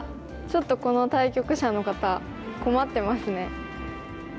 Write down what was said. ちょっとこの対局者の方困ってますね。